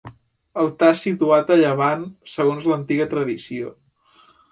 Altar situat a llevant segons l'antiga tradició.